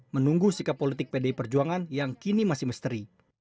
menunggu sikap politik pdi perjuangan yang kini masih misteri